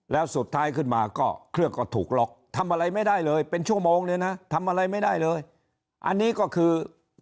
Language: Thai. แล้วสุดท้ายขึ้นมาก็เครื่องก็ถูกล็อกทำอะไรไม่ได้เลยเป็นชั่วโมงเลยนะทำอะไรไม่ได้เลยอันนี้ก็คือ